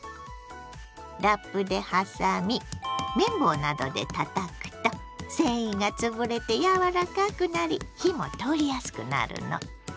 ラップで挟み麺棒などでたたくと繊維がつぶれてやわらかくなり火も通りやすくなるの。